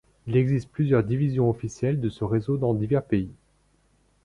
Il existe plusieurs divisions officielles de ce réseau dans divers pays.